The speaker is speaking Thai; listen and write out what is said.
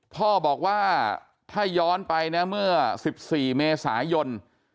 พ่อบอกว่าถ้าย้อนไปนะเมื่อ๑๔เมษายน